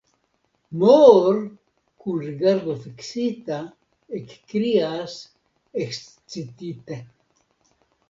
Moor kun rigardo fiksita ekkrias ekscitite.